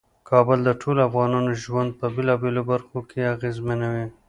کابل د ټولو افغانانو ژوند په بیلابیلو برخو کې اغیزمنوي.